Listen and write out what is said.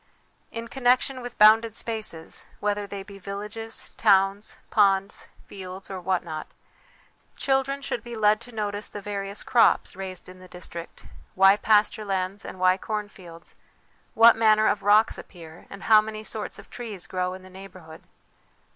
In connection with bounded spaces, whether they be villages, towns, ponds, fields, or what not, children should be led to notice the various crops raised in the district, why pasture lands and why cornfields, what manner of rocks appear, and how many sorts of trees grow in the neighbourhood.